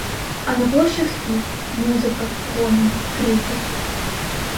А на площах спів, музика, гомін, крики.